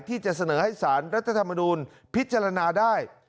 ที่จะเสนอให้สารรัฐธรรมนูลพิจารณาได้